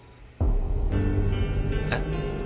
えっ？